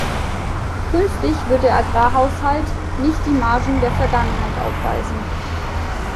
Künftig wird der Agrarhaushalt nicht die Margen der Vergangenheit aufweisen.